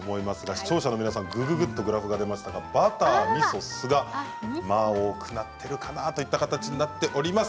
視聴者の皆さんグラフが出ましたがバター、みそ、酢が多くなっているかなという形になっています。